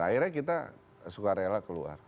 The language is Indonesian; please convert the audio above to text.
akhirnya kita suka rela keluar